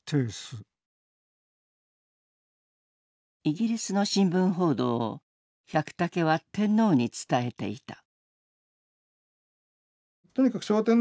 イギリスの新聞報道を百武は天皇に伝えていた。